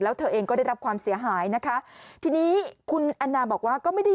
และเธอเองก็ได้รับความเสียหายนะคะ